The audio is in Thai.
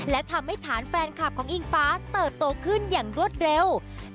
และทำให้ฐานแฟนคลับของอิงฟ้าเติบโตขึ้นอย่างรวดเร็ว